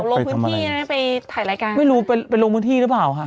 ไปทำอะไรไปถ่ายรายการไม่รู้ไปไปลงพื้นที่หรือเปล่าค่ะอ๋อ